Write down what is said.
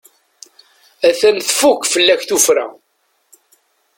A-t-an tfukk fell-ak tuffra.